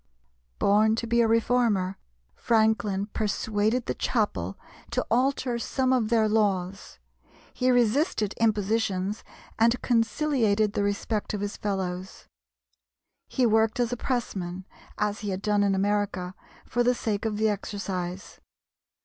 Born to be a reformer, Franklin persuaded the chapel to alter some of their laws; he resisted impositions, and conciliated the respect of his fellows. He worked as a pressman, as he had done in America, for the sake of the exercise.